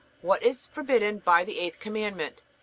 What is forbidden by the eighth Commandment?